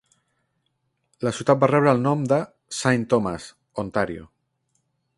La ciutat va rebre el nom de Saint Thomas, Ontario.